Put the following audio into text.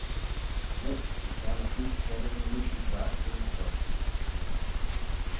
Nish mychione y chooish cheddin nee shiu clashtyn ny sodjey.